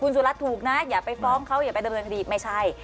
สุรัตน์ถูกนะอย่าไปฟ้องเขาอย่าไปดำเนินคดีไม่ใช่